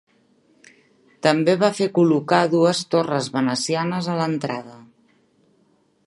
També va fer col·locar dues torres venecianes a l'entrada.